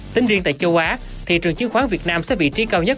tính riêng tại châu á thị trường chứng khoán vn sẽ vị trí cao nhất